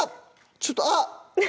ちょっとあっ！